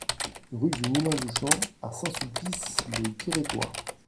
Rue du Moulin du Champ à Saint-Sulpice-le-Guérétois